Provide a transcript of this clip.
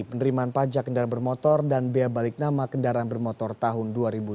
penerimaan pajak kendaraan bermotor dan bea balik nama kendaraan bermotor tahun dua ribu tujuh belas